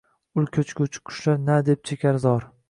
Ul ko‘chguvchi qushlar na deb chekar zor